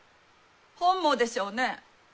本望でしょうね。